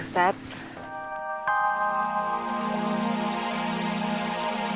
kita kach lawan itu gitu dengan ada ada